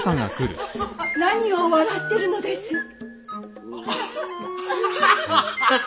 何を笑ってるのです？